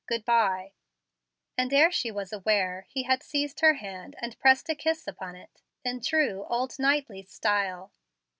Good by;" and ere she was aware, he had seized her hand and pressed a kiss upon it, in true old knightly style.